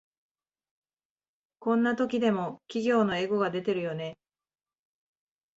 こんな時でも企業のエゴが出てるよね